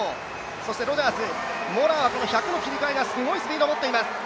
そしてロジャース、モラアは１００の切り替えがすごいスピードを持っている。